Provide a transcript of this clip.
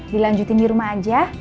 dilanjutin dirumah aja